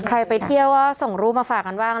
ไปเที่ยวก็ส่งรูปมาฝากกันบ้าง